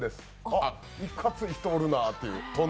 あっ、いかつい人おるなあっていう。